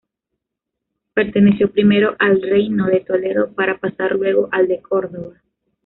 Perteneció primero al reino de Toledo para pasar luego al de Córdoba.